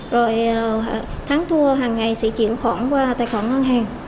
rồi tháng thua hàng ngày sẽ chuyển khoản qua tài khoản ngân hàng